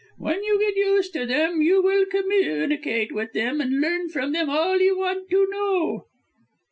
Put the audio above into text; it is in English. When you get used to them, you will communicate with them, and learn from them all you want to know."